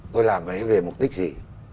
tôi làm ấy về mục đích gì